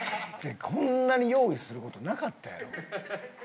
こんなに用意する事なかったやろ。